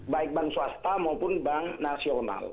baik bank swasta maupun bank nasional